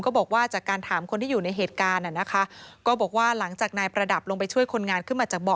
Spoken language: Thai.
บอกว่าจากการถามคนที่อยู่ในเหตุการณ์นะคะก็บอกว่าหลังจากนายประดับลงไปช่วยคนงานขึ้นมาจากบ่อ